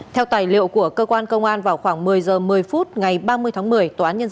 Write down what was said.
theo tài liệu của cơ quan công an vào khoảng một mươi h một mươi phút ngày ba mươi tháng một mươi